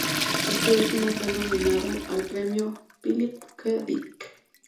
Este último fue nominado al premio Philip K. Dick.